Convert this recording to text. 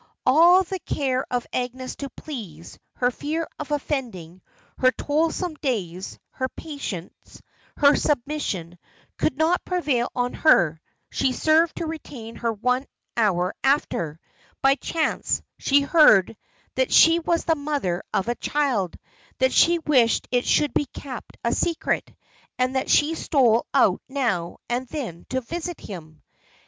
All the care of Agnes to please, her fear of offending, her toilsome days, her patience, her submission, could not prevail on her she served to retain her one hour after, by chance, she had heard "that she was the mother of a child; that she wished it should be kept a secret; and that she stole out now and then to visit him."